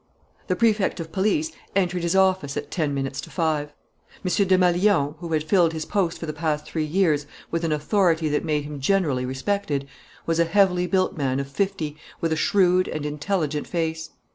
The Prefect of Police entered his office at ten minutes to five. M. Desmalions, who had filled his post for the past three years with an authority that made him generally respected, was a heavily built man of fifty with a shrewd and intelligent face.